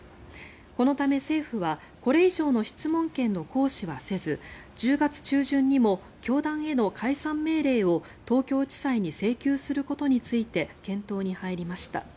このため政府はこれ以上の質問権の行使はせず１０月中旬にも教団への解散命令を東京地裁に請求することについて検討に入りました。